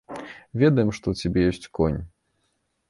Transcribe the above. Ведаем, што ў цябе ёсць конь.